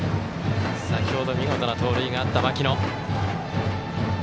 先ほど、見事な盗塁があった牧野。